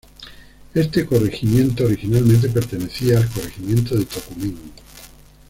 Este corregimiento originalmente pertenecía al corregimiento de Tocumen.